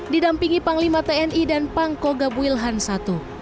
didampingi panglima tni dan pangko gabuilhan i